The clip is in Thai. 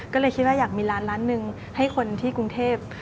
ก็เลยคิดว่าอยากมีร้านร้านหนึ่งให้คนที่กรุงเทพ